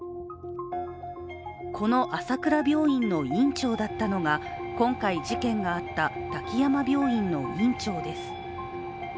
この朝倉病院の院長だったのが今回、事件があった滝山病院の院長です。